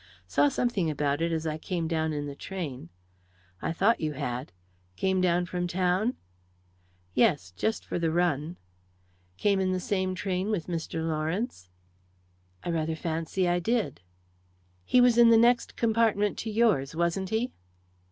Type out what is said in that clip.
"Saw something about it as I came down in the train." "I thought you had. Came down from town?" "Yes just for the run." "Came in the same train with Mr. Lawrence?" "I rather fancy I did." "He was in the next compartment to yours, wasn't he?"